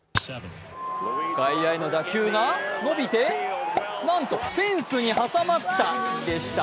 外野への打球が伸びて、なんとフェンスに挟まった、でした。